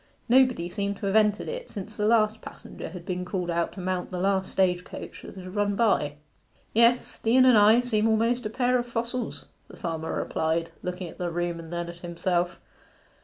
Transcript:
Nobody seemed to have entered it since the last passenger had been called out to mount the last stage coach that had run by. 'Yes, the Inn and I seem almost a pair of fossils,' the farmer replied, looking at the room and then at himself.